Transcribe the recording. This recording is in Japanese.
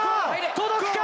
届くか？